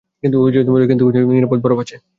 কিন্তু নিরাপদ বরফ আছে।